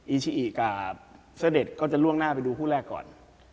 อีชิอีกับเสื้อเด็ดก็จะล่วงหน้าไปดูผู้แรกก่อน